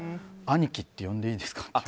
兄貴って呼んでいいですかって。